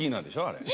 あれ。